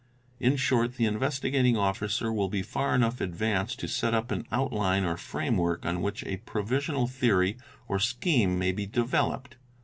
In short j the Investigating Officer will be far enough advanced to set up an out line or frame work on which a provisional theory or scheme may be developed.